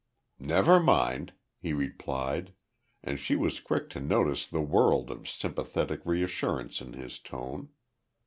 "Never mind," he replied, and she was quick to notice the world of sympathetic reassurance in his tone.